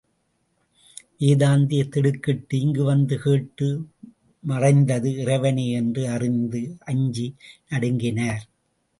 வேதாந்தி திடுக்கிட்டு இங்கு வந்து கேட்டு மறைந்தது இறைவனே என்று அறிந்து அஞ்சி நடுங்கினார்.